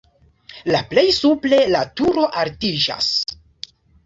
La plej supre la turo altiĝas.